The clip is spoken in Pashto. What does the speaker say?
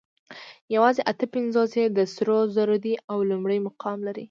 یواځې اته پنځوس یې د سرو زرو دي او لومړی مقام لري